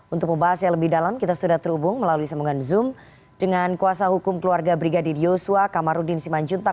untuk pembahas yang lebih dalam kita sudah terhubung melalui sambungan zoom dengan kuasa hukum keluarga brigadir yosua kamarudin simanjuntak